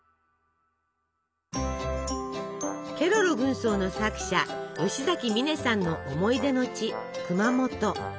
ケロロ軍曹の作者吉崎観音さんの思い出の地熊本。